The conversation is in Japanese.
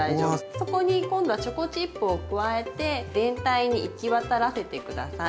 そこに今度はチョコチップを加えて全体に行き渡らせて下さい。